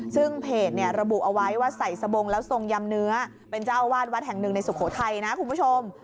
ซึ่งเพจเนี่ยระบุเอาไว้ว่าใส่สบงแล้วทรงยำเนื้อเป็นเจ้าอาวาสวัดแห่งหนึ่งในสุโขทัยนะคุณผู้ชม